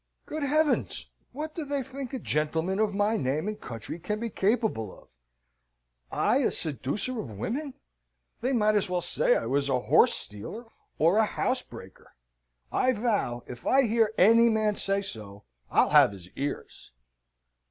Good heavens! What do they think a gentleman of my name and country can be capable of I a seducer of women? They might as well say I was a horse stealer or a housebreaker. I vow if I hear any man say so, I'll have his ears!"